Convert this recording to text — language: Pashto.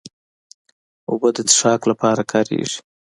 اوبه د څښاک لپاره کارېږي.